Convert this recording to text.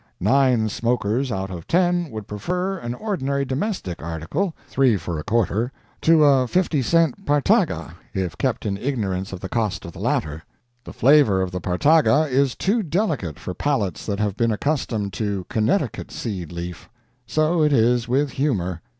Nine smokers out of ten would prefer an ordinary domestic article, three for a quarter, to a fifty cent Partaga, if kept in ignorance of the cost of the latter. The flavor of the Partaga is too delicate for palates that have been accustomed to Connecticut seed leaf. So it is with humor.